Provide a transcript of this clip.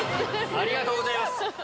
ありがとうございます。